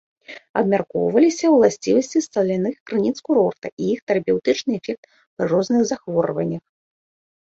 Абмяркоўваліся ўласцівасці саляных крыніц курорта і іх тэрапеўтычны эфект пры розных захворваннях.